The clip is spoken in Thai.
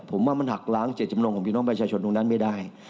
ผมว่ามันหักล้างเจตจำนงของพี่น้องประชาชนตรงนั้นไม่ได้